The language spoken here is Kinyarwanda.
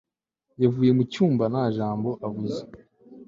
yavuye mu cyumba nta jambo yavuze